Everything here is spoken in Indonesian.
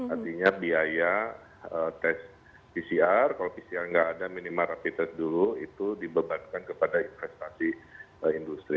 artinya biaya tes pcr kalau pcr nggak ada minimal rapid test dulu itu dibebankan kepada investasi industri